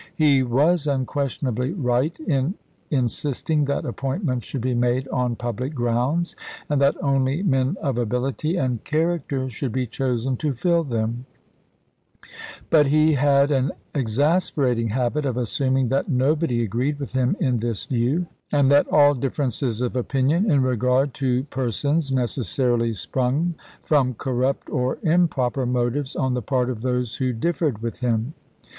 He was unquestionably right in insisting that appointments should be made on public grounds, and that only men of ability and character should be chosen to fill them ; but he had an exasperating habit of assuming that nobody agreed with him in this view, and that all differ ences of opinion in regard to persons necessarily sprung from corrupt or improper motives on the part of those who differed with him.